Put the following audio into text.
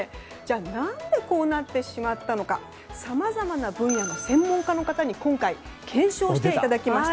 何でこうなってしまったのかさまざまな分野の専門家の方に今回、検証していただきました。